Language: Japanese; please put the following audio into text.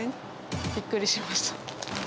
びっくりしました。